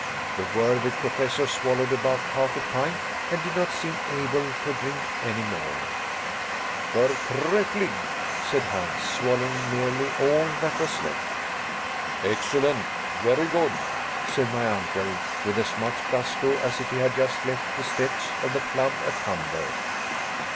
The worthy Professor swallowed about half a pint and did not seem able to drink any more. "Fortrafflig," said Hans, swallowing nearly all that was left. "Excellent very good," said my uncle, with as much gusto as if he had just left the steps of the club at Hamburg.